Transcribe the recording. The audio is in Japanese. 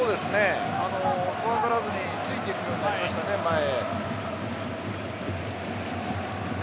怖がらずについていくようになりましたね前へ。